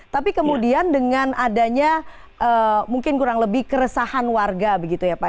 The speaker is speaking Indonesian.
tapi kemudian dengan adanya mungkin kurang lebih keresahan warga begitu ya pak